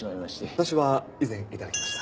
私は以前頂きました。